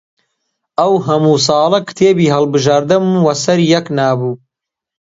ئەو هەموو ساڵە کتێبی هەڵبژاردەم وە سەر یەک نابوو